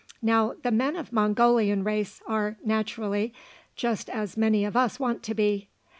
Now the men of Mongolian race are, naturally, just as many of us want to he.